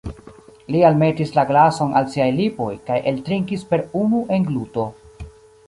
Li almetis la glason al siaj lipoj, kaj eltrinkis per unu engluto.